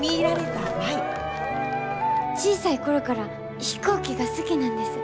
小さい頃から飛行機が好きなんです。